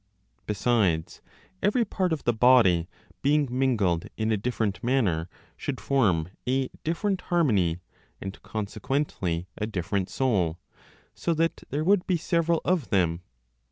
Besides, every part of the body being mingled in a different manner should form (a different harmony, and consequently) a different soul, so that there would be several of them.